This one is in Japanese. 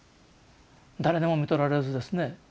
誰にもみとられずですね